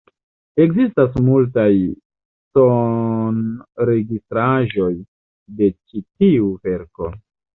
Ekzistas multaj sonregistraĵoj de ĉi tiu verko.